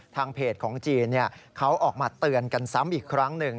ทางเพจของจีนเขาออกมาเตือนกันซ้ำอีกครั้งหนึ่ง